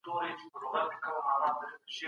تاسي کله د پښتو ليکوالانو سره ولیدل؟